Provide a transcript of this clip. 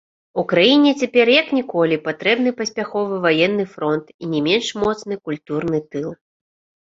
Украіне цяпер як ніколі патрэбны паспяховы ваенны фронт і не менш моцны культурны тыл.